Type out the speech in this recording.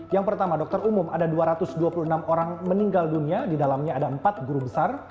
yang pertama dokter umum ada dua ratus dua puluh enam orang meninggal dunia di dalamnya ada empat guru besar